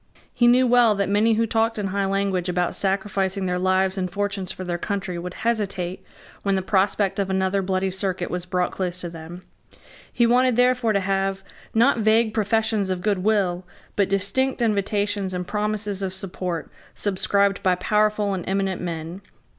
He knew well that many who talked in high language about sacrificing their lives and fortunes for their country would hesitate when the prospect of another Bloody Circuit was brought close to them. He wanted therefore to have, not vague professions of good will, but distinct invitations and promises of support subscribed by powerful and eminent men.